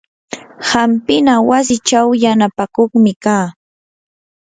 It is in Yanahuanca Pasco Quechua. hampina wasichaw yanapakuqmi kaa.